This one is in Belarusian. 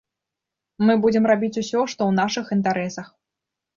Мы будзем рабіць усё, што ў нашых інтарэсах.